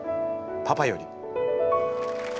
パパより」。